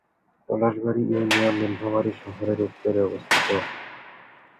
Palashbari union Nilphamari শহরের উত্তরে অবস্থিত।